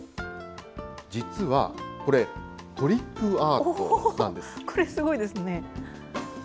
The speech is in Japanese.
実はこれ、トリックアこれ、すごいですね。